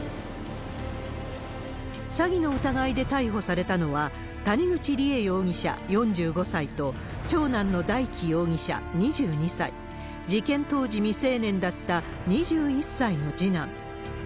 詐欺の疑いで逮捕されたのは、谷口梨恵容疑者４５歳と、長男の大祈容疑者２２歳、事件当時、未成年だった２１歳の次男。